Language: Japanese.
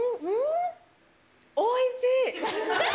うーん、おいしい。